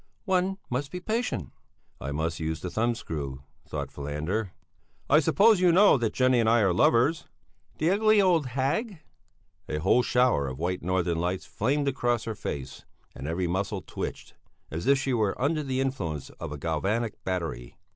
"One must be patient." I must use the thumbscrew, thought Falander. "I suppose you know that Jenny and I are lovers?" "The ugly, old hag!" A whole shower of white northern lights flamed across her face and every muscle twitched, as if she were under the influence of a galvanic battery.